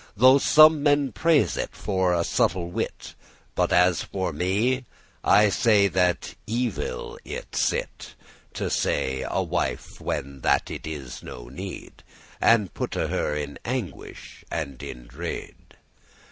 Though some men praise it for a subtle wit, But as for me, I say that *evil it sit* *it ill became him* T'assay a wife when that it is no need, And putte her in anguish and in dread.